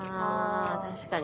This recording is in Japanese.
確かに。